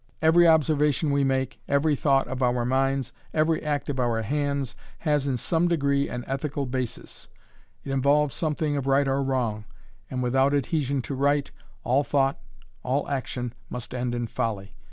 Every observation we make, every thought of our minds, every act of our hands has in some degree an ethical basis. It involves something of right or wrong, and without adhesion to right, all thought, all action must end in folly.